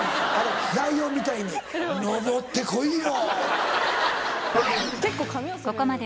ライオンみたいに「登って来いよ！」。